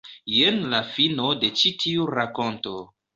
Jen la fino de ĉi tiu rakonto.